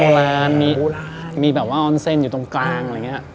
แลนด์มีแบบว่าออนเซนอยู่ตรงกลางอะไรอย่างนี้